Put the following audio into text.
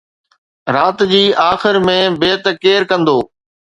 رات جي آخر ۾ بيعت ڪير ڪندو؟